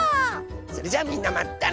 それじゃあみんなまたね！